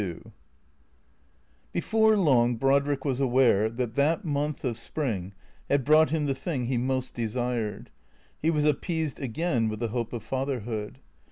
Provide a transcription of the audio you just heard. LII BEFOEE long Brodrick was aware that that month of spring had brought him the thing he most desired. He was ap peased again with the hope of fatherhood.